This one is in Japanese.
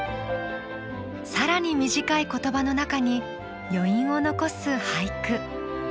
更に短い言葉の中に余韻を残す俳句。